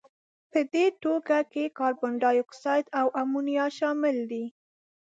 په دې توکو کې کاربن دای اکساید او امونیا شامل دي.